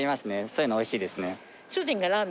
そういうのおいしいですね。